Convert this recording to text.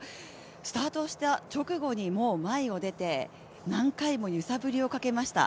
スタートした直後にもう前に出て何回も揺さぶりをかけました。